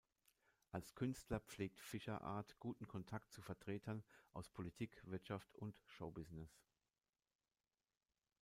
Als Künstler pflegt Fischer-Art guten Kontakt zu Vertretern aus Politik, Wirtschaft und Showbusiness.